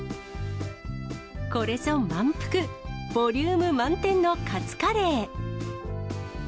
これぞ、満腹、ボリューム満点のカツカレー。